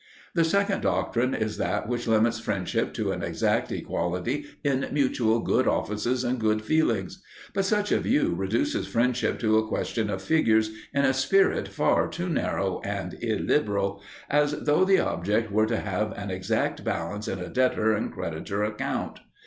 The second doctrine is that which limits friendship to an exact equality in mutual good offices and good feelings. But such a view reduces friendship to a question of figures in a spirit far too narrow and illiberal, as though the object were to have an exact balance in a debtor and creditor account.